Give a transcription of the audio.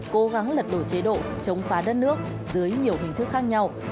cố gắng lật đổ chế độ chống phá đất nước dưới nhiều hình thức khác nhau